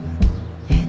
えっ？